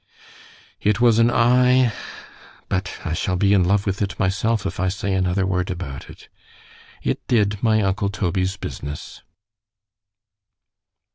It was an eye—— But I shall be in love with it myself, if I say another word about it. ——It did my uncle Toby's business.